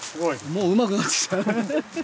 もううまくなってきたね。